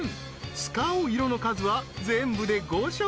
使う色の数は全部で５色］